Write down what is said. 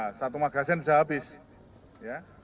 nah satu magasin bisa habis ya